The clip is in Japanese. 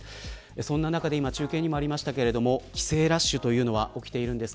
その中で中継にもありましたが帰省ラッシュというのが起きています。